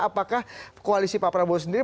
apakah koalisi pak prabowo sendiri